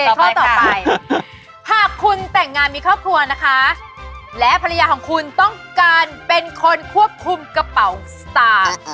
ข้อต่อไปหากคุณแต่งงานมีครอบครัวนะคะและภรรยาของคุณต้องการเป็นคนควบคุมกระเป๋าสตาร์